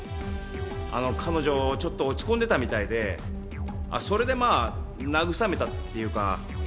あの彼女ちょっと落ち込んでたみたいでそれでまあ慰めたっていうか